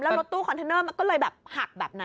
แล้วรถตู้คอนเทนเนอร์มันก็เลยแบบหักแบบนั้น